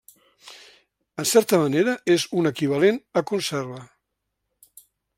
En certa manera és un equivalent a conserva.